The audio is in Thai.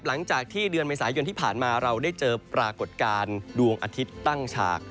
หลังจากที่เดือนเมษายนที่ผ่านมาเราได้เจอปรากฏการณ์ดวงอาทิตย์ตั้งฉาก